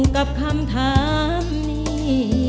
กับคำถามนี้